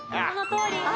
そのとおり。